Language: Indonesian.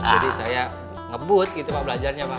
jadi saya ngebut gitu pak belajarnya pak